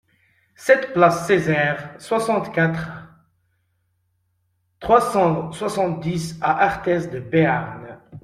sept place Cezaire, soixante-quatre, trois cent soixante-dix à Arthez-de-Béarn